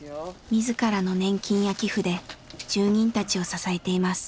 自らの年金や寄付で住人たちを支えています。